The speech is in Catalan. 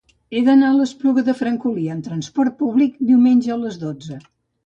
He d'anar a l'Espluga de Francolí amb trasport públic diumenge a les dotze.